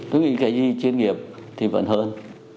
tôi nghĩ cái gì chuyên nghiệp thì vẫn hơn